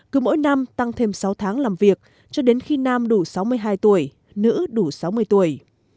cứ mỗi năm tăng thêm sáu tháng làm việc cho đến khi nam đủ sáu mươi hai tuổi nữ đủ sáu mươi tuổi